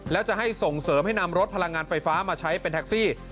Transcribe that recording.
แล้วจะให้ส่งเสริมให้นำรถพลังงานไฟฟ้ามาใช้เป็นแท็กซี่